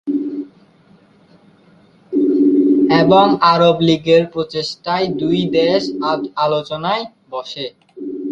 এবং আরব লীগের প্রচেষ্টায় দুই দেশ আলোচনায় বসে।